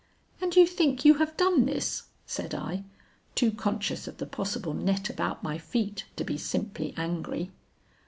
"'And you think you have done this?' said I, too conscious of the possible net about my feet to be simply angry.